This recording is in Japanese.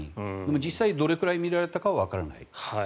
実際どれくらい見られていたかはわからない。